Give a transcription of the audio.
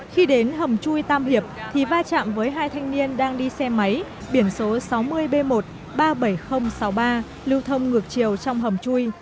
khi đến hầm chui tam hiệp thì va chạm với hai thanh niên đang đi xe máy biển số sáu mươi b một ba mươi bảy nghìn sáu mươi ba lưu thông ngược chiều trong hầm chui